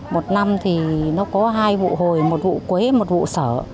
một năm thì nó có hai vụ hồi một vụ quế một vụ sở